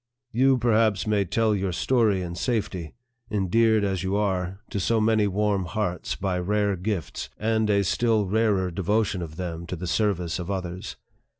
You, perhaps, may tell your story in safety, endeared as you are to so many warm hearts by rare gifts, and a still rarer devotion of them to the service of others.